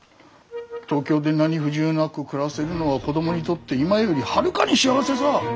東京で何不自由なく暮らせるのは子供にとって今よりはるかに幸せさぁ。